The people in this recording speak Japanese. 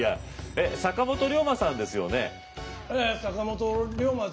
えっ坂本龍馬さんですよね？